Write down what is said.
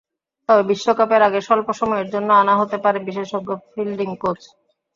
তবে বিশ্বকাপের আগে স্বল্প সময়ের জন্য আনা হতে পারে বিশেষজ্ঞ ফিল্ডিং কোচ।